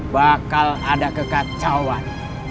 bakal ada kekacauan